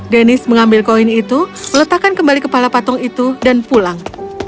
dennis mengambil koin itu meletakkan kembali kepala patung itu dan pulang